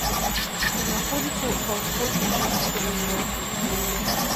Знаходзіцца ва ўсходняй частцы пасёлка.